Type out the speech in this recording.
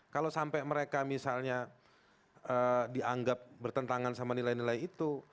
kalau sampai mereka misalnya dianggap bertentangan sama nilai nilai itu